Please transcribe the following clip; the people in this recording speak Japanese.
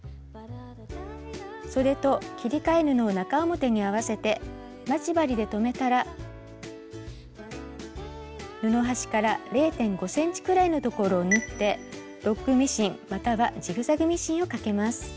そでと切り替え布を中表に合わせて待ち針で留めたら布端から０．５ｃｍくらいのところを縫ってロックミシンまたはジグザグミシンをかけます。